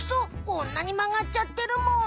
こんなにまがっちゃってるもん。